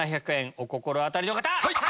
お心当たりの方！